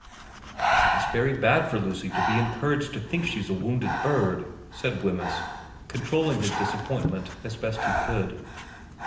* It's very bad for Lucy to be encouraged to think she's a wounded bird,' said Wemyss, controlling his disappointment as best he could.